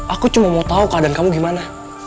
aku cuma mau tahu keadaan kamu gimana